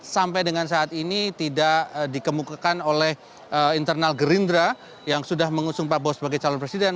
sampai dengan saat ini tidak dikemukakan oleh internal gerindra yang sudah mengusung prabowo sebagai calon presiden